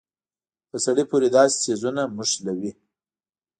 په سړي پورې داسې څيزونه نښلوي.